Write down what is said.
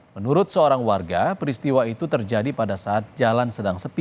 menurut seorang warga peristiwa itu terjadi pada saat jalan sedang sepi